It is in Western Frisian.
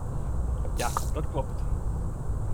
Ja, dat kloppet.